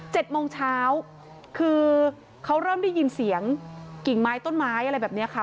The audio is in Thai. โมงเช้าคือเขาเริ่มได้ยินเสียงกิ่งไม้ต้นไม้อะไรแบบเนี้ยค่ะ